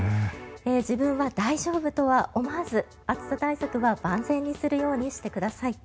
自分は大丈夫とは思わず暑さ対策は万全にするようにしてください。